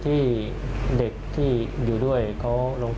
ทีนี้ก็